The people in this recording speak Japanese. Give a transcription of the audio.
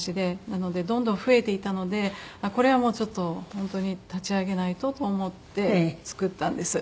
なのでどんどん増えていたのでこれはもうちょっと本当に立ち上げないとと思って作ったんです。